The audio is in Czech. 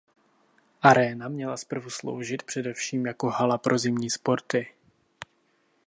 Aréna měla zprvu sloužit především jako hala pro zimní sporty.